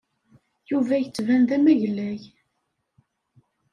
Yuba yettban d amaglay.